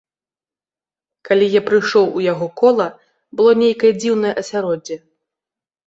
Калі я прыйшоў у яго кола, было нейкае дзіўнае асяроддзе.